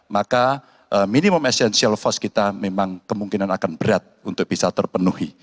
maka minimum essential force kita memang kemungkinan akan berat untuk bisa terpenuhi